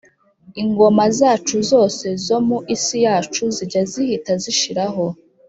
Ingoma zacu zose zo mu isi yacu zijya zihita zishiraho